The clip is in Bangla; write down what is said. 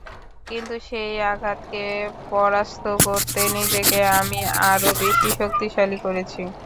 কিন্তু সেই আঘাতকে পরাস্ত করতে নিজেকে আমি আরও বেশি শক্তিশালী করেছি।